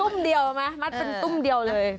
มัดเป็นตุ้มเดียวเลยฟอ